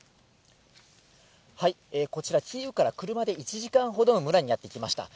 こちら、キーウから車で１時間ほどの村にやって来ました。